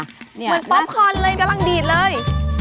เหมือนป๊อปคอนเลยกำลังดีดเลย